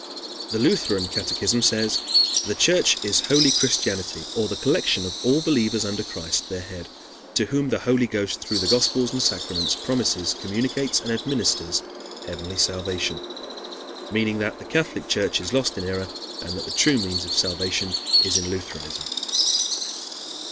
The Lutheran catechism says: "The Church is holy Christianity, or the collection of all believers under Christ, their head, to whom the Holy Ghost through the Gospels and sacraments promises, communicates, and administers heavenly salvation," meaning that the Catholic Church is lost in error, and that the true means of salvation is in Lutheranism.